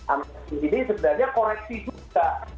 amnesty ini sebenarnya koreksi juga